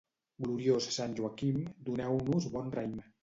Gloriós sant Joaquim, doneu-nos bon raïm.